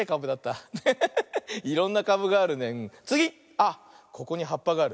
あっここにはっぱがある。